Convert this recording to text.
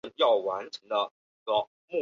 他曾担任耶路撒冷希伯来大学的校长。